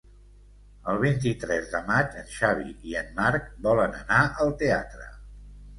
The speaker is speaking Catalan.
El vint-i-tres de maig en Xavi i en Marc volen anar al teatre.